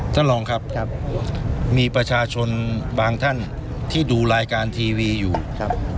ท่านรองครับมีประชาชนบางท่านที่ดูรายการทีวีอยู่ครับ